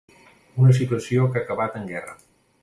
Una situació que ha acabat en guerra.